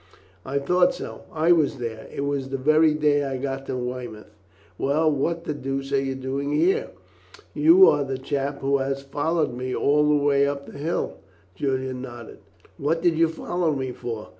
"I thought so; I was there. It was the very day I got to Weymouth. Well, what the deuce are you doing here? You are the chap who has followed me all the way up the hill?" Julian nodded. "What did you follow me for?"